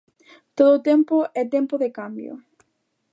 Todo tempo é tempo de cambio.